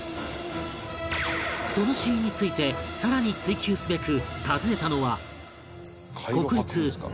その死因についてさらに追求すべく訪ねたのは